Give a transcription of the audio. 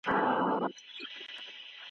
که مخالفت وکړئ نو لويه ګناه به مو کړې وي.